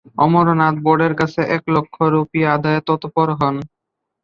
অমরনাথ বোর্ডের কাছে এক লক্ষ রূপী আদায়ে তৎপর হন।